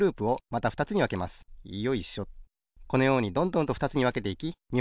このようにどんどんとふたつにわけていき２